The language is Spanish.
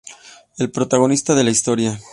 El protagonista de la historia.